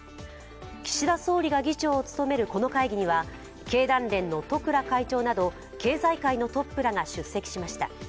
岸田総理が議長を務めるこの会議には、経団連の十倉会長など経済界のトップらが出席しました。